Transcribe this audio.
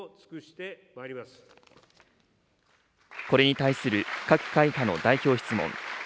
これに対する各会派の代表質問。